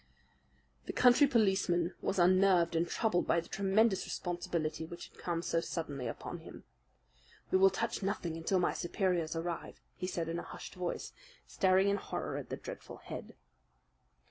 The country policeman was unnerved and troubled by the tremendous responsibility which had come so suddenly upon him. "We will touch nothing until my superiors arrive," he said in a hushed voice, staring in horror at the dreadful head.